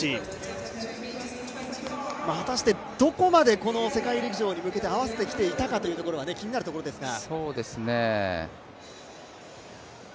果たして、どこまでこの世界陸上に向けて合わせてきていたかは気になるところですが。